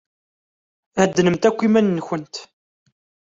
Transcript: Heddnemt akk iman-nkent!